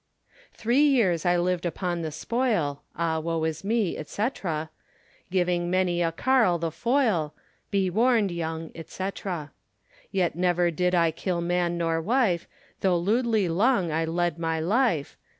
Three yeeres I lived upon the spoile, Ah woe is me, &c. Giving many a carle the foile, Be warned yong, &c. Yet never did I kil man nor wife, Though lewdly long I led my life.